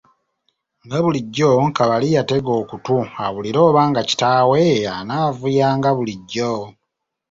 Nga bulijjo Kabali yatega okutu awulire oba nga kitaawe anaavuya nga bulijjo.